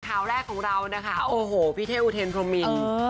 ข่าวแรกของเรานะคะโอ้โหพี่เท่อุเทนพรมมิน